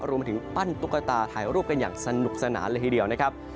รวมไปถึงปั้นตุ๊กตาถ่ายรูปกันอย่างสนุกสนานเลยทีเดียวนะครับ